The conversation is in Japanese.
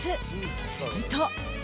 すると。